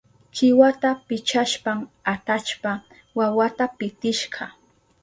Kiwata pichashpan atallpa wawata pitishka.